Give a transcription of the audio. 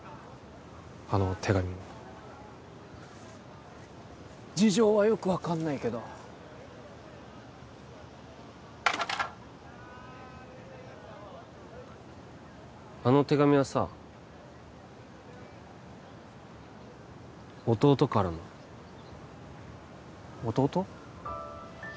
あの手紙も事情はよく分かんないけどあの手紙はさ弟からの弟？